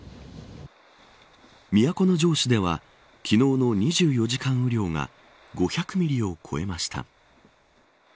都城市では昨日の２４時間雨量が５００ミリを超えました。